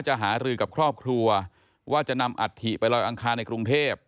หารือกับครอบครัวว่าจะนำอัฐิไปลอยอังคารในกรุงเทพ